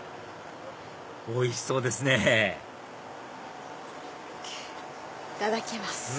おいしそうですねいただきます。